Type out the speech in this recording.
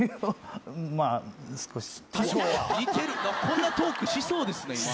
こんなトークしそうですね。